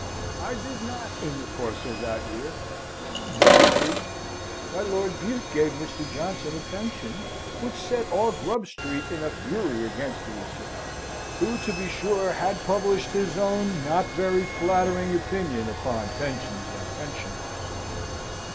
I did not in the course of that year, but he did. My Lord Bute gave Mr. Johnson a pension, which set all Grub Street in a fury against the recipient, who, to be sure, had published his own not very flattering opinion upon pensions and pensioners.